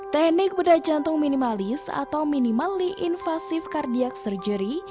teknik bedah jantung minimalis atau minimally invasive cardiac surgery